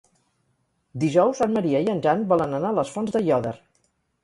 Dijous en Maria i en Jan volen anar a les Fonts d'Aiòder.